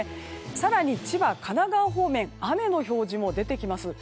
更に千葉、神奈川方面は雨の表示も出てきます。